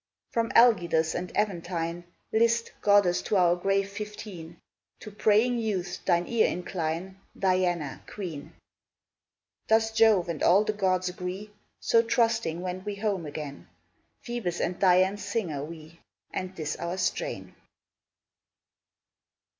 From Algidus and Aventine List, goddess, to our grave Fifteen! To praying youths thine ear incline, Diana queen! Thus Jove and all the gods agree! So trusting, wend we home again, Phoebus and Dian's singers we, And this our strain.